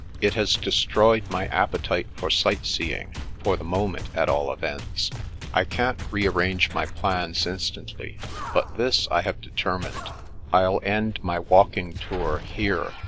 It has destroyed my appetite for sightseeing, for the moment, at all events. I can't rearrange my plans instantly; but this I have determined. I'll end my walking tour here.